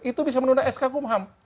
itu bisa menunda sk kumham